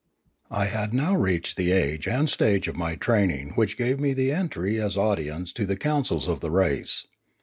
I had now reached the age and stage of my training which gave me the entry as audience to the councils of the race.